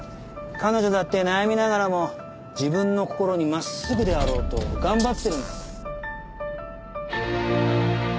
彼女だって悩みながらも自分の心にまっすぐであろうと頑張ってるんです。